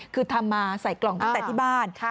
คือทำมาใส่กล่องตั้งแต่ที่บ้าน